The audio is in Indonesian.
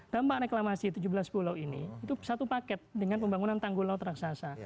dampak reklamasi tujuh belas pulau ini itu satu paket dengan pembangunan tanggul laut raksasa